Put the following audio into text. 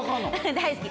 大好き！